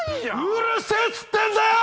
うるせぇっつってんだよ‼